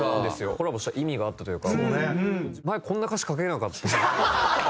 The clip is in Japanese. コラボした意味があったというか。